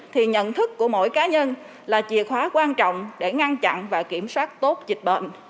thì nhận thức của mỗi cá nhân là chìa khóa quan trọng để ngăn chặn và kiểm soát tốt dịch bệnh